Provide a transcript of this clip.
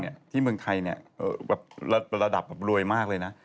รายถ้าโดงไทยแบบระดับรวยมากเลยนะ